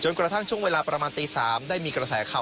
กระทั่งช่วงเวลาประมาณตี๓ได้มีกระแสข่าว